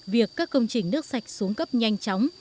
việc các công trình nước sạch xuống cấp nhanh chóng